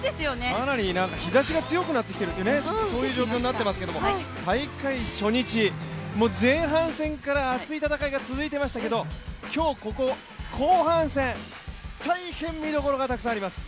かなり日ざしが強くなってきているという状況になっていますけれども、大会初日、前半戦から熱い戦いが続いていましたけど、今日、ここ、後半戦、大変見どころがたくさんあります。